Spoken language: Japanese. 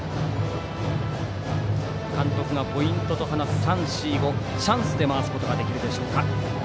監督がポイントと話す３、４、５チャンスで回すことができるでしょうか。